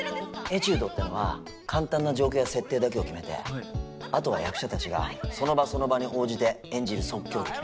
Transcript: エチュードってのは簡単な状況や設定だけを決めてあとは役者たちがその場その場に応じて演じる即興劇の事。